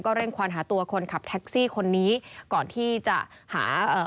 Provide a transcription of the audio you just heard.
เร่งควานหาตัวคนขับแท็กซี่คนนี้ก่อนที่จะหาเอ่อ